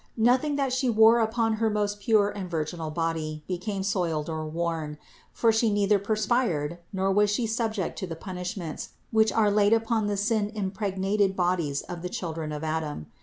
Noth ing that She wore upon her most pure and virginal body became soiled or worn; for She neither perspired, nor was She subject to the punishments, which are laid upon the sin impregnated bodies of the children of Adam.